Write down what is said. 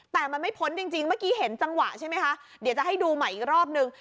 แต่มันไม่พ้นจริงเมื่อกี้เห็นจังหวะใช่ไหมคะเดี๋ยวจะให้ดูใหม่อีกรอบนึง